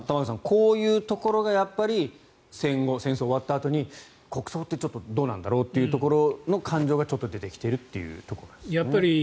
こういうところがやっぱり戦後戦争が終わったあとに国葬ってちょっとどうなんだろうという感情がちょっと出てきているということですね。